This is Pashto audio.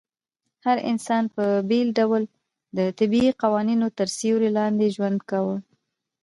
هر انسان په بېل ډول د طبيعي قوانينو تر سيوري لاندي ژوند کاوه